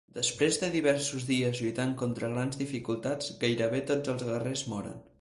Després de diversos dies lluitant contra grans dificultats, gairebé tots els guerrers moren.